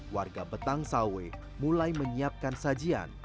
warga betang sawe mulai menyiapkan sajian